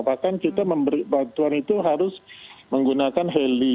bahkan kita memberi bantuan itu harus menggunakan heli